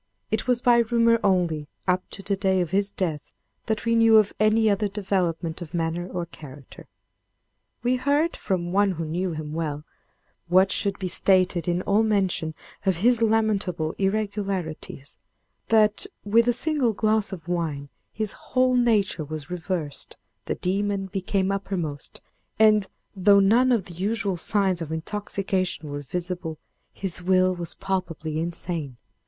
It was by rumor only, up to the day of his death, that we knew of any other development of manner or character. We heard, from one who knew him well (what should be stated in all mention of his lamentable irregularities), that, with a single glass of wine, his whole nature was reversed, the demon became uppermost, and, though none of the usual signs of intoxication were visible, his will was palpably insane.